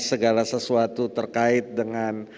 segala sesuatu terkait dengan